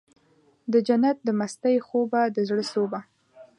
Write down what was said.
دجنت د مستۍ خوبه د زړه سوبه